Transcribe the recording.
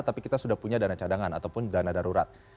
tapi kita sudah punya dana cadangan ataupun dana darurat